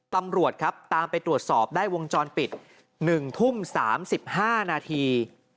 ตำรวจครับตามไปตรวจสอบได้วงจรปิด๑ทุ่ม๓๕นาที